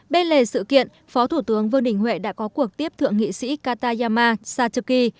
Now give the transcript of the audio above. bên lề sự kiện phó thủ tướng vương đình huệ đã có cuộc tiếp thượng nghị sĩ katayama satoki